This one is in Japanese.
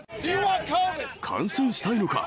感染したいのか？